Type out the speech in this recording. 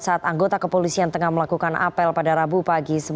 saat anggota kepolisian tengah melakukan apel pada rabu pagi